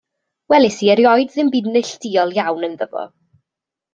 Welis i erioed ddim byd neilltuol iawn ynddo fo.